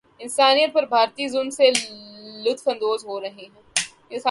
انسانیت پر بھارتی ظلم سے لطف اندوز ہورہی ہے